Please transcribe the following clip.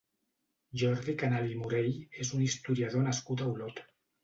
Jordi Canal i Morell és un historiador nascut a Olot.